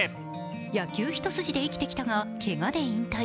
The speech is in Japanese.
野球一筋で生きてきたがけがで引退。